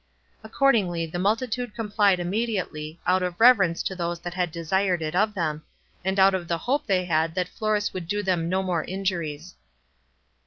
Accordingly, the multitude complied immediately, out of reverence to those that had desired it of them, and out of the hope they had that Florus would do them no more injuries.